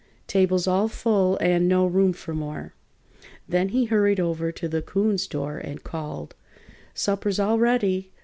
Table's all full and no room for more!" Then he hurried over to the 'Coon's door and called: "Supper's all ready!